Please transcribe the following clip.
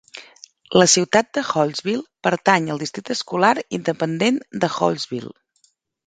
La ciutat de Hallsville pertany al districte escolar independent de Hallsville.